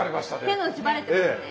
手の内バレてますね。